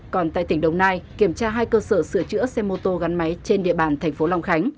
còn tại tỉnh đồng nai kiểm tra hai cơ sở sửa chữa xe mô tô gắn máy trên địa bàn thành phố long khánh